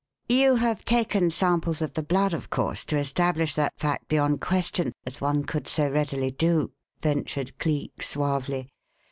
"You have taken samples of the blood, of course, to establish that fact beyond question, as one could so readily do?" ventured Cleek suavely.